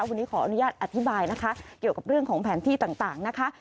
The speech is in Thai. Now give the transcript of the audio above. วันนี้ขออนุญาตอธิบายนะคะเกี่ยวกับเรื่องของแผนที่ต่างนะคะ